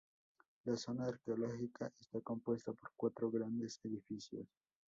La zona arqueológica está compuesta por cuatro grandes edificios.